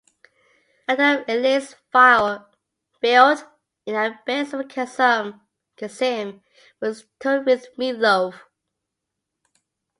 Atom Ellis filled in at bass when Kasim was touring with Meat Loaf.